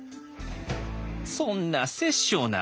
「そんな殺生な。